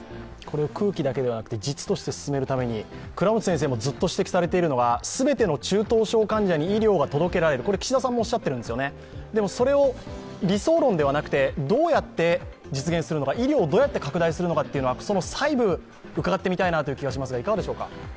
空気だけはなくて実として実行していくために倉持先生もずっと指摘されているのは全ての中等症患者に医療が届けられるこれ、岸田さんもおっしゃっているんですが、それを理想論ではなくてどうやって実現するのか医療をどうやって拡大していくのか細部を伺ってみたい気がしますが、いかがでしょうか。